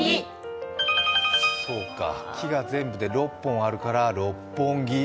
そうか、木が全部で六本あるから六本木。